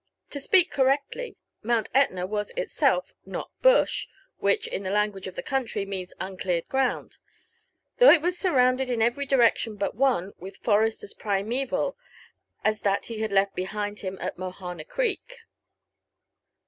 To speak correctly. Mount Etna was itself not " bush," which, in the language of the country, means uncleared ground; though it was surrounded in every direction, but one, with forest as primeval as that he had left behind him at Mohana Greek.